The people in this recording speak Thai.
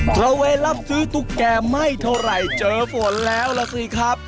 ระเวนรับซื้อตุ๊กแก่ไม่เท่าไหร่เจอฝนแล้วล่ะสิครับ